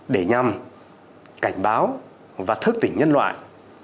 để nhằm cảnh báo và thức tỉnh nhân loại